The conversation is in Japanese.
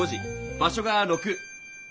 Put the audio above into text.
場所が６。